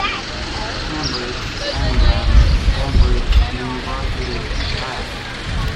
Cambridge, England: Cambridge University Press.